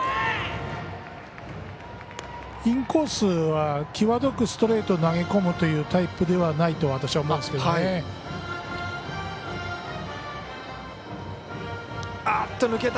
インコースは際どくストレートを投げ込むというタイプではないと私は思うんですけどね。